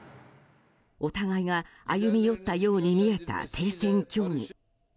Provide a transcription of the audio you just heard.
お互いが歩み寄ったように見えた停戦協議。